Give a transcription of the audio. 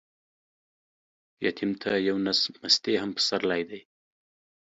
يتيم ته يو نس مستې هم پسرلى دى.